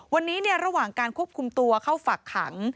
วันนี้ระหว่างการควบคุมตัวเข้าฝักขัง